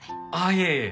いえいえ。